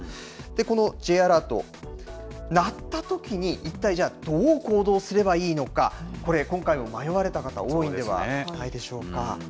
このＪアラート、鳴ったときに一体じゃあ、どう行動すればいいのか、これ、今回、迷われた方、多いんではないでしょうか。